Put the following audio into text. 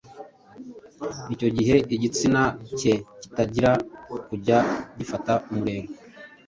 Icyo gihe igitsina ke gitangira kujya gifata umurego,